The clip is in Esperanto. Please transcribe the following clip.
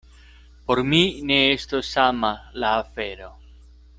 Por mi ne estos sama la afero.